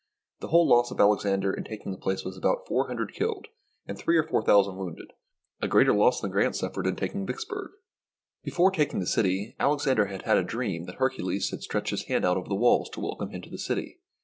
The whole loss of Alexander in taking the place was about four hundred killed and three or four thou sand wounded, a greater loss than Grant suffered in taking Vicksburg. Before taking the city, Alexander had had a dream that Hercules had stretched his hand out over the walls to welcome him to the city.